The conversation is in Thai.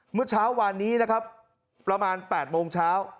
เมื่อเช้าวานนี้นะครับประมาณ๘โมงเช้า